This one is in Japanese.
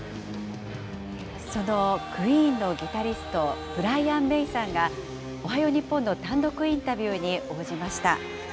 そのクイーンのギタリスト、ブライアン・メイさんが、おはよう日本の単独インタビューに応じました。